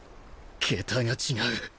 桁が違う